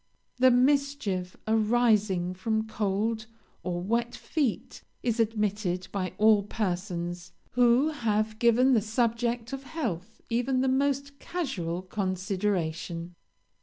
"The mischief arising from cold or wet feet is admitted by all persons who have given the subject of health even the most casual consideration.